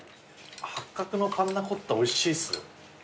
八角のパンナコッタおいしいっすよ。